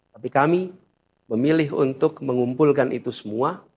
tapi kami memilih untuk mengumpulkan itu semua